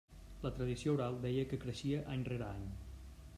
La tradició oral deia que creixia any rere any.